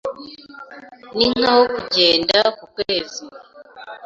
Ninkaho kugenda ku kwezi.